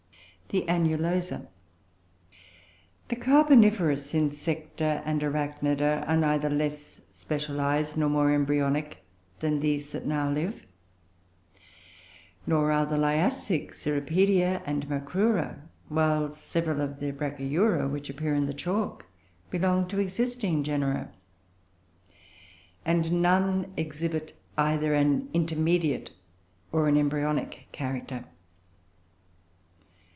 The ANNULOSA. The Carboniferous Insecta and Arachnida are neither less specialised, nor more embryonic, than these that now live, nor are the Liassic Cirripedia and Macrura; while several of the Brachyura, which appear in the Chalk, belong to existing genera; and none exhibit either an intermediate, or an embryonic, character.